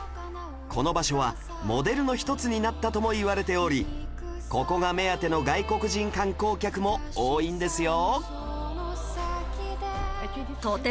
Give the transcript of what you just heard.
この場所はモデルの一つになったともいわれておりここが目当ての外国人観光客も多いんですよ